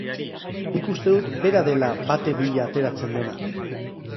Nik uste dut Bera dela baten bila ateratzen dena!